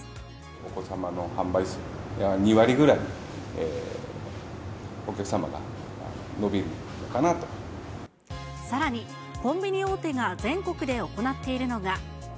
お子様の販売数は、さらに、コンビニ大手が全国で行っているのが。